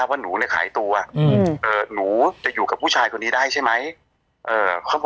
ว่าหนูเนี่ยขายตัวหนูจะอยู่กับผู้ชายคนนี้ได้ใช่ไหม